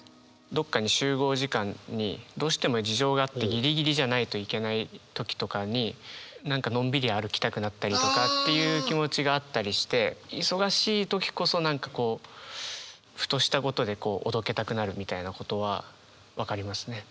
どっかに集合時間にどうしても事情があってギリギリじゃないと行けない時とかに何かのんびり歩きたくなったりとかっていう気持ちがあったりして忙しいときこそ何かこうふとしたことでおどけたくなるみたいなことは分かりますね。